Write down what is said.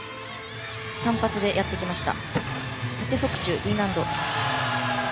単発でやってきました。